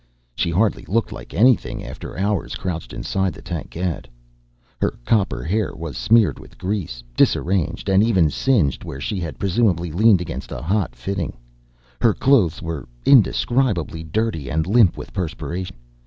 She hardly looked like anything, after hours crouched inside the tankette. Her copper hair was smeared with grease, disarranged, and even singed where she had presumably leaned against a hot fitting. Her clothes were indescribably dirty and limp with perspiration.